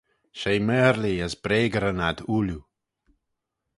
She maarlee as breagyryn ad ooilley.